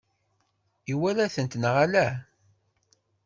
Iwala-tent neɣ ala?